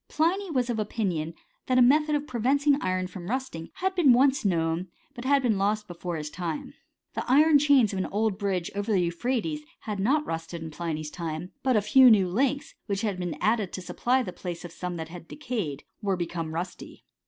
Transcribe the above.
Pliny was of opinion that a method of preventing iron from rusting had been once known, but had been lost be* fore his time. The iron chains of an old bridge over the Euphrates had not rusted in Pliny's time ; but a few new links, which had been added to supply the place of some that had decayed, were become rusty.